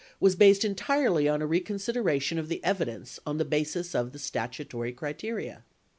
was based entirely on a reconsideration of the evidence on the basis of the statutory criteria.